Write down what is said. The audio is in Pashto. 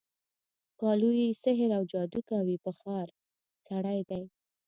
ښکالو یې سحراوجادوکوي په ښار، سړی دی